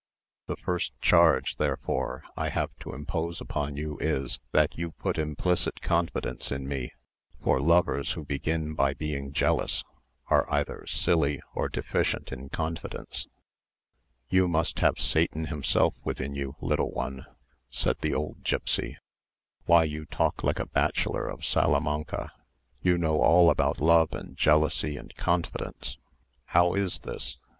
The first charge, therefore, I have to impose upon you is, that you put implicit confidence in me; for lovers who begin by being jealous, are either silly or deficient in confidence." "You must have Satan himself within you, little one," said the old gipsy; "why you talk like a bachelor of Salamanca. You know all about love and jealousy and confidence. How is this?